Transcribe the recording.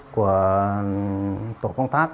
của tổ công tác